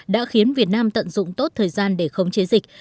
đã khiến việt nam tận dụng tốt thời gian để khống chế dịch